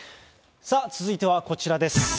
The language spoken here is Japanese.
続いてはこちらです。